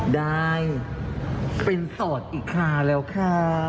ได้เป็นโสดอีกคลาแล้วค่ะ